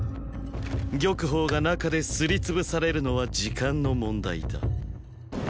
玉鳳が中ですりつぶされるのは時間の問題だ。